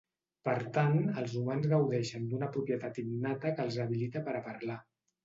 Per tant, els humans gaudeixen d'una propietat innata que els habilita per a parlar.